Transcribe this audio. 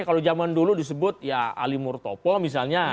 kalau zaman dulu disebut ya ali murtopo misalnya